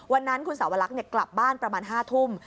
วันนั้นคุณสาวลักษณ์กลับบ้านประมาณ๕ทุ่ม